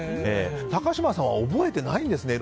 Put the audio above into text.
高嶋さんは覚えてないんですね